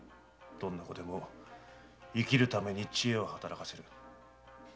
どんな子でも生きるために知恵を働かせる。